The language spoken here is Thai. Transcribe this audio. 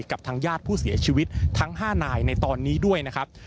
กับทางญาติผู้เสียชีวิตทั้ง๕นายในตอนนี้ด้วยนะครับ